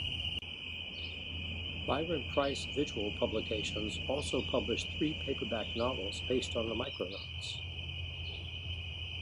Byron Preiss Visual Publications also published three paperback novels based on the Micronauts.